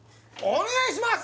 「お願いします」